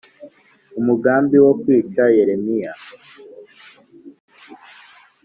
Umugambi wo kwica yeremiya